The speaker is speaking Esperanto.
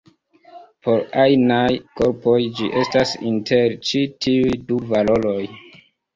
Por ajnaj korpoj ĝi estas inter ĉi tiuj du valoroj.